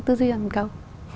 tư duyên cầu